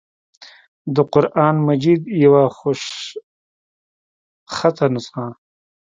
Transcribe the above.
دَقرآن مجيد يوه خوشخطه نسخه